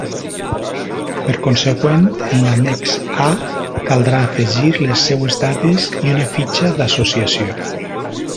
Per consegüent, en l'annex A caldrà afegir les seues dades i una "fitxa d'associació".